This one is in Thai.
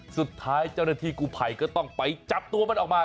สุดท้ายเจ้าหน้าที่กูภัยก็ต้องไปจับตัวมันออกมา